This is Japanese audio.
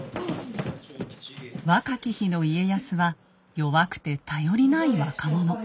若き日の家康は弱くて頼りない若者。